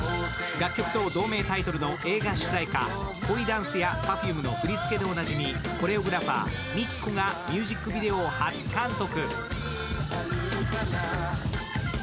楽曲と同名タイトルの映画主題歌恋ダンスやＰｅｒｆｕｍｅの振り付けでおなじみ、コレオグラファー・ＭＩＫＩＫＯがミュージックビデオを初監督。